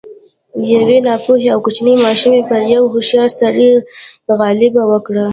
يوې ناپوهې او کوچنۍ ماشومې پر يوه هوښيار سړي غلبه وکړه.